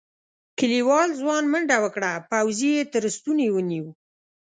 کليوال ځوان منډه وکړه پوځي یې تر ستوني ونيو.